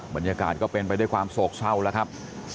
บรรยากาศก็เป็นไปด้วยความโศกเศร้าแล้วครับ